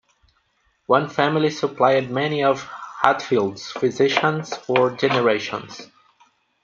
One family supplied many of Hatfield's physicians for generations.